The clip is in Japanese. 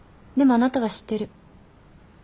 でもあなたは知ってる。